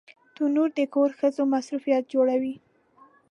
تنور د کور ښځو مصروفیت جوړوي